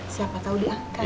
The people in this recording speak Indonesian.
siapa tau diangkat